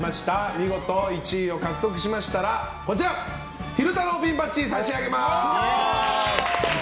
見事１位を獲得されましたら昼太郎ピンバッジを差し上げます。